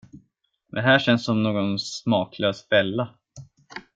Det här känns som någon smaklös fälla.